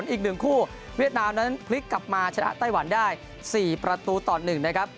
อีก๑คู่เวียดนามนั้นพลิกกลับมาชนะไต้หวันได้๔ประตูต่อ๑นะครับ